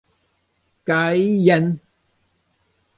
Kaj jen!